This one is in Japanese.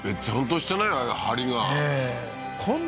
ちゃんとしてない？